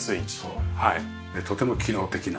とても機能的な。